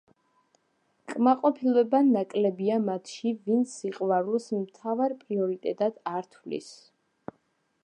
კმაყოფილება ნაკლებია მათში, ვინც სიყვარულს მთავარ პრიორიტეტად არ თვლის.